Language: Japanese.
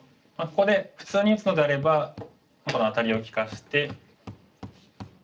ここで普通に打つのであればこのアタリを利かして。